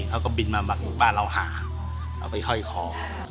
เขาก็บินมามากดวงบ้านเราหาก็ถ่ายเขา